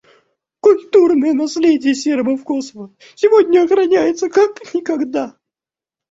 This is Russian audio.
Культурное наследие сербов в Косово сегодня охраняется как никогда.